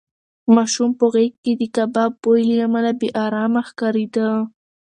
ماشوم په غېږ کې د کباب بوی له امله بې ارامه ښکارېده.